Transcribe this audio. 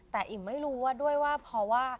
แต่อีกไม่รู้ว่าเด้วยว่า